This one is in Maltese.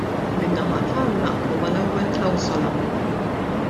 Min-naħa tagħna naqblu mal-ewwel klawsola.